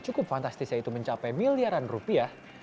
cukup fantastis yaitu mencapai miliaran rupiah